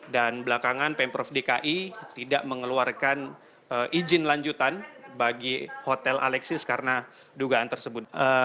dan belakangan pemprov dki tidak mengeluarkan izin lanjutan bagi hotel alexis karena dugaan tersebut